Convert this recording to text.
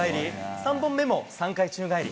３本目も３回宙返り。